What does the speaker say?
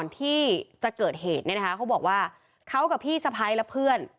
ที่จะเกิดเหตุเนี่ยนะคะเขาบอกว่าเขากับพี่สะพ้ายและเพื่อน